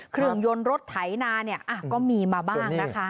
เครื่องยนต์รถไถนาเนี่ยก็มีมาบ้างนะคะ